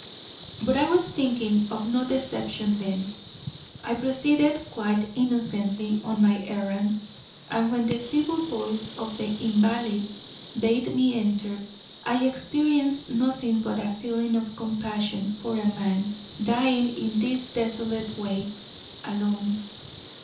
But I was thinking of no deception then. I proceeded quite innocently on my errand, and when the feeble voice of the invalid bade me enter, I experienced nothing but a feeling of compassion for a man dying in this desolate way, alone.